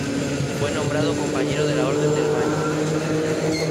Fue nombrado compañero de la Orden del Baño.